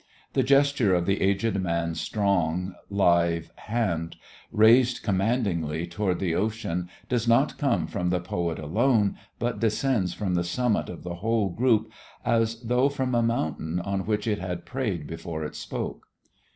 The gesture of the aged man's strong, live hand raised commandingly toward the ocean does not come from the poet alone but descends from the summit of the whole group as though from a mountain on which it had prayed before it spoke.